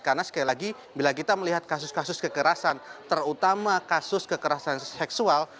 karena sekali lagi bila kita melihat kasus kasus kekerasan terutama kasus kekerasan seksual